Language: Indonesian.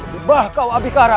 kebah kau abikara